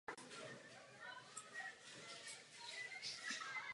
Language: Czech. Za několik dní startoval v kategorii bez rozdílu vah a předvedl velmi dobrý výkon.